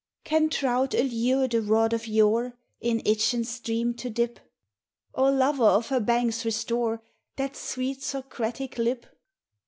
Can trout allure the rod of yore In Itchen stream to dip? Or lover of her banks restore That sweet Socratic lip?